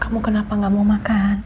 kamu kenapa gak mau makan